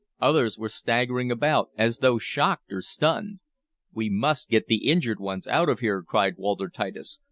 Others were staggering about as though shocked or stunned. "We must get the injured ones out of here!" cried Walter Titus.